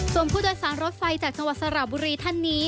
ส่วนผู้โดยสารรถไฟจากสลับบุรีท่านนี้